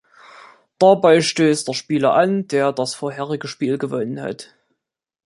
Dabei stößt der Spieler an, der das vorherige Spiel gewonnen hat.